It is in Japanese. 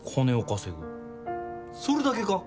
それだけか？